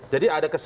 jadi ada kesan